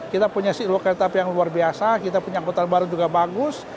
kita punya si dua kereta api yang luar biasa kita punya angkutan baru juga bagus